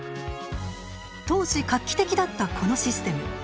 当時画期的だったこのシステム。